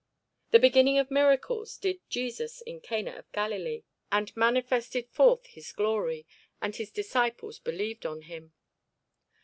This beginning of miracles did Jesus in Cana of Galilee, and manifested forth his glory; and his disciples believed on him.